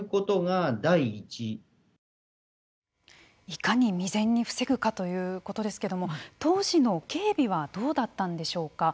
いかに未然に防ぐかということですけども当時の警備はどうだったんでしょうか。